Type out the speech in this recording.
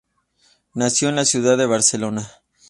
Nació en la ciudad de Barcelona.